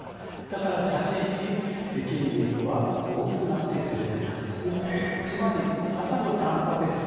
だから差し引き筋肉は大きくなっていくということになるんですね。